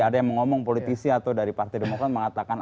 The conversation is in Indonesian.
ada yang mengomong politisi atau dari partai demokrat mengatakan